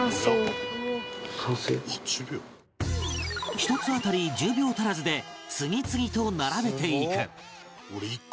１つ当たり１０秒足らずで次々と並べていく